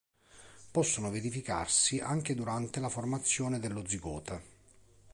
Possono verificarsi anche durante la formazione dello zigote.